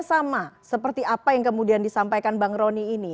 sama seperti apa yang kemudian disampaikan bang roni ini